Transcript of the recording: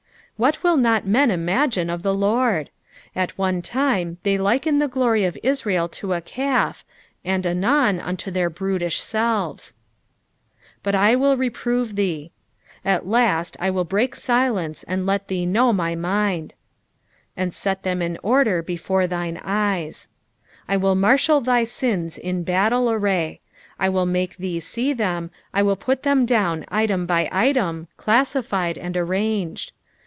What will not men imagine of the Lord? At one time they liken the glory of Israel to a calf, and anon unto their brutish selves. "But I teiU Teprote thee." At last I will break silence and let thee know my mind. "And act thtm in ordrr he/ore thine eyei." I wilt marshHl thy sins in battle array. I will make thee see them, I will put them down item by item, classified, and arranged.